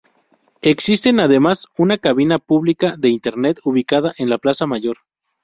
Existe además una cabina pública de internet, ubicada en la plaza mayor.